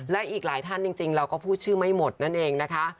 และอีกหลายท่านจริงเราก็พูดชื่อไม่หมดนั่นเองนะคะ